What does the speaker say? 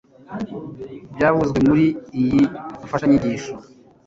byavuzwe muri iyi mfashanyigisho